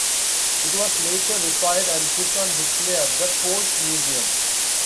It was later repaired and put on display at the Porsche Museum.